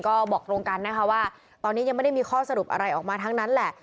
ก็บอกตรงกันนะคะว่าตอนนี้ยังไม่ได้มีข้อสรุปอะไรออกมาทั้งนั้นแหละ